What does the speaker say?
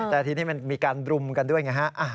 แต่ทีนี้มันมีการรุมกันด้วยไงฮะ